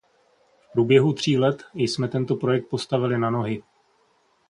V průběhu tří let jsme tento projekt postavili na nohy.